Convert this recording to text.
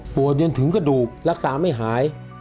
จนถึงกระดูกรักษาไม่หาย